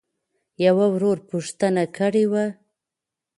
يــوه ورورپوښـتـنــه کــړېــوه.؟